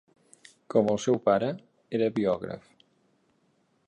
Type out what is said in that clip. Com el seu pare, era biògraf.